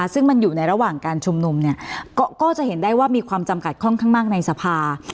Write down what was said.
ซึ่งมันอยู่ในระหว่างการชุมนุมก็จะเห็นได้ว่ามีความจำกัดค่อนข้างมากในสภา